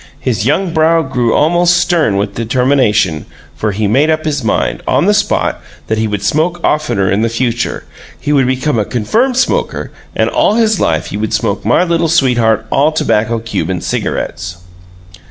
His young brow grew almost stern with determination, for he made up his mind, on the spot, that he would smoke oftener in the future he would become a confirmed smoker, and all his life he would smoke My Little Sweetheart All Tobacco Cuban Cigarettes.